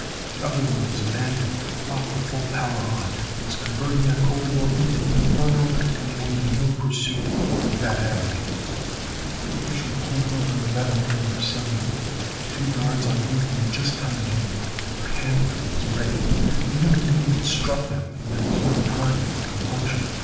The other one was abandoned, locked with full power on. It was converting that corridor into an inferno, and there would be no pursuit through that avenue. Mich'l pushed open the metal door suddenly. Two guards on duty were just coming in, their hand weapons ready. They never knew what struck them for there was no time for compunction.